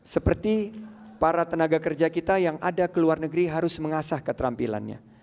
seperti para tenaga kerja kita yang ada ke luar negeri harus mengasah keterampilannya